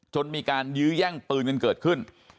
จนมีการยื้อแย่งปืนกันเกิดขึ้น